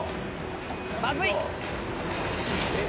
まずい！